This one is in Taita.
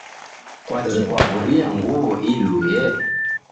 kwaki kwaw'uria nguw'o ilue?